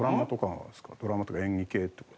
ドラマとか演技系っていうか。